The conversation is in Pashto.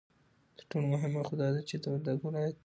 ترټولو مهمه خو دا ده چې د وردگ ولايت